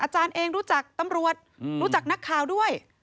อาจารย์เองรู้จักตำรวจรู้จักนักข่าวด้วย